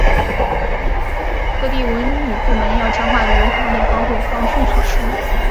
各地文旅部门要强化旅游行业防火防汛措施